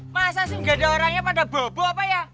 masa sih nggak ada orangnya pada bobo apa ya